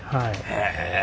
へえ！